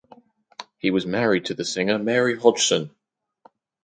He was married to the singer Mary Hodgson.